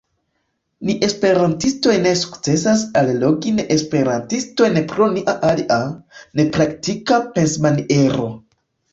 Ni esperantistoj ne sukcesas allogi neesperantistojn pro nia alia, nepraktika pensmaniero.